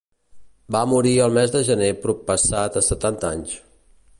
Va morir el mes de gener proppassat a setanta anys.